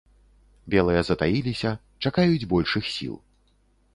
Белыя затаіліся, чакаюць большых сіл.